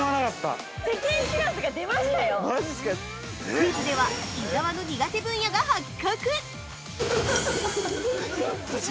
◆クイズでは伊沢の苦手分野が発覚！